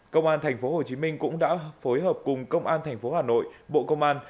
công an tp hcm cũng đã phối hợp cùng công an tp hcm bộ công an